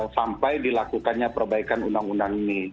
sampai dilakukannya perbaikan undang undang ini